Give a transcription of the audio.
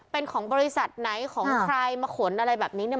เป็นของบริษัทไหนของใครมาขนอะไรแบบนี้เนี่ย